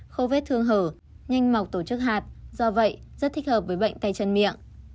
khâu vết thương hở nhanh mọc tổ chức hạt do vậy rất thích hợp với bệnh tay chân miệng